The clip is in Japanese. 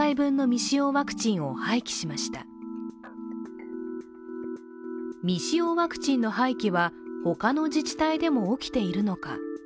未使用ワクチンの廃棄は、他の自治体でも起きているのか。